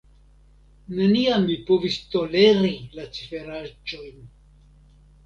Neniam mi povis toleri la ciferaĉojn.